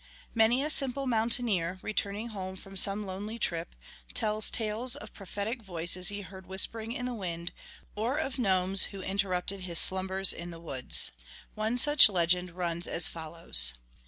Many a simple mountaineer, returning home from some lonely trip, tells tales of prophetic voices he heard whispering in the wind or of gnomes who interrupted his slumbers in the woods. One such legend runs as follows.